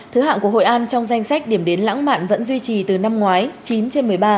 thứ hạng của hội an trong danh sách điểm đến lãng mạn vẫn duy trì từ năm ngoái chín trên một mươi ba